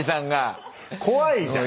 怖いじゃん。